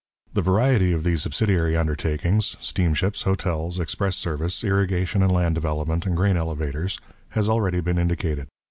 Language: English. The variety of the subsidiary undertakings steamships, hotels, express service, irrigation and land development, grain elevators has already been indicated.